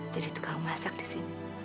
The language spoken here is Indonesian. jadi tukang masak di sini